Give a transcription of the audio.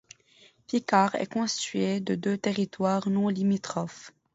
Picard est constitué de deux territoires non limitrophes.